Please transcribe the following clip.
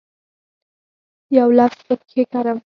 یو لفظ پکښې کرم